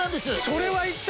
それは一体。